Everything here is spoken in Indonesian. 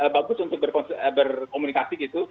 bagus untuk berkomunikasi gitu